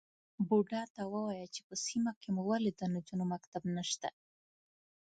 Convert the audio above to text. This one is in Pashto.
_بوډا ته ووايه چې په سيمه کې مو ولې د نجونو مکتب نشته؟